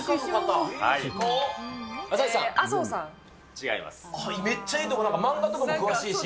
違います。